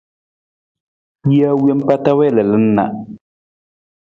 Jee wompa ta wii lalan na.